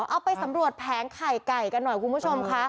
เอาไปสำรวจแผงไข่ไก่กันหน่อยคุณผู้ชมค่ะ